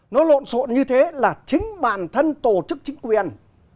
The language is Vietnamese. nó lộn xộn như thế là chính bản thân tổ chức chính quyền